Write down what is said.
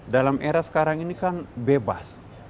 dalam era sekarang ini kan bebas